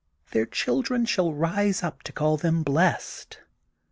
Their chil dren shall rise up to call them blessed.